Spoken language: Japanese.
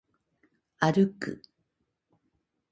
歩く